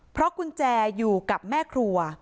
เพราะกุญแจอยู่กับแม่ครัว